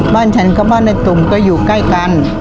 บ้านฉันกับบ้านในตุ่มก็อยู่ใกล้กัน